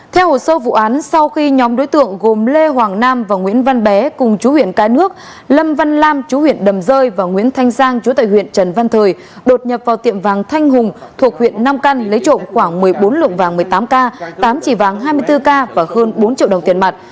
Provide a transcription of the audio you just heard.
theo hồ sơ vụ án sau khi nhóm đối tượng gồm lê hoàng nam và nguyễn văn bé cùng chú huyện cái nước lâm văn lam chú huyện đầm rơi và nguyễn thanh giang chú tại huyện trần văn thời đột nhập vào tiệm vàng thanh hùng thuộc huyện nam căn lấy trộm khoảng một mươi bốn lượng vàng một mươi tám k tám chỉ vàng hai mươi bốn k và hơn bốn triệu đồng tiền mặt